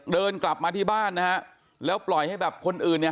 เดินกลับมาที่บ้านนะฮะแล้วปล่อยให้แบบคนอื่นเนี่ย